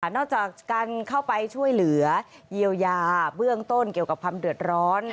นอกจากการเข้าไปช่วยเหลือเยียวยาเบื้องต้นเกี่ยวกับความเดือดร้อน